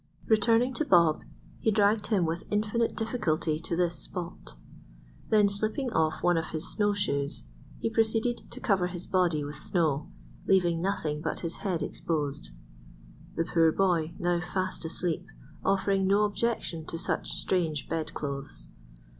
Returning to Bob he dragged him with infinite difficulty to this spot. Then slipping off one of his snow shoes, he proceeded to cover his body with snow, leaving nothing but his head exposed; the poor boy, now fast asleep, offering no objection to such strange bedclothes.